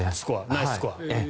ナイススコア。